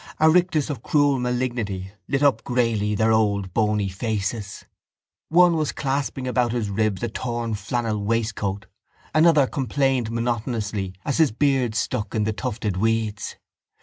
A rictus of cruel malignity lit up greyly their old bony faces. One was clasping about his ribs a torn flannel waistcoat, another complained monotonously as his beard stuck in the tufted weeds.